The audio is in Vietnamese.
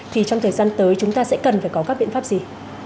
thì trong thời gian tới chúng ta sẽ cần phải có các biện pháp gì